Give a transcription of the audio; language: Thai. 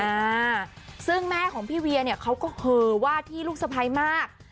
อ่าซึ่งแม่ของพี่เวียเนี่ยเขาก็เหอว่าที่ลูกสะพ้ายมาก